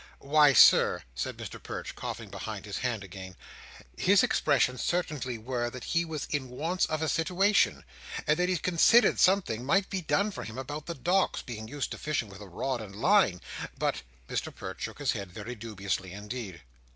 "Why, Sir," said Mr Perch, coughing behind his hand again, "his expression certainly were that he was in wants of a sitiwation, and that he considered something might be done for him about the Docks, being used to fishing with a rod and line: but—" Mr Perch shook his head very dubiously indeed.